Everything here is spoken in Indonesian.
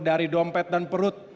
dari dompet dan perut